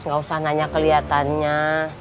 gak usah nanya kelihatannya